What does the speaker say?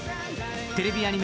テレビアニメ